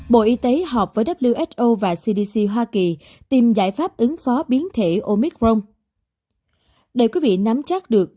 bộ y tế họp với who và cdc hoa kỳ tìm giải pháp ứng phó biến thể omicron